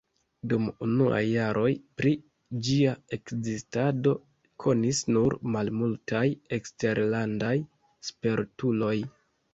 Dum unuaj jaroj pri ĝia ekzistado konis nur malmultaj eksterlandaj spertuloj.